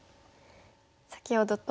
先ほどと。